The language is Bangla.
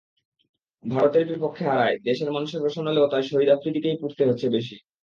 ভারতের বিপক্ষে হারায় দেশের মানুষের রোষানলেও তাই শহীদ আফ্রিদিকেই পুড়তে হচ্ছে বেশি।